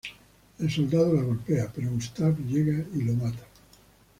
El soldado la golpea, pero Gustave llega y lo mata.